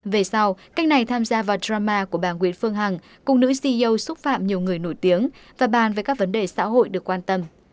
về sau cách này tham gia vào drama của bà nguyễn phương hằng cùng nữ ceo xúc phạm nhiều người nổi tiếng và bàn về các vấn đề xã hội được quan tâm